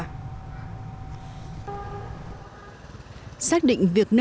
hà giang đứng thứ một mươi một trên tổng số sáu mươi ba tỉnh thành phố trong cả nước